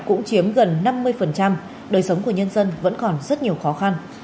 cũng chiếm gần năm mươi đời sống của nhân dân vẫn còn rất nhiều khó khăn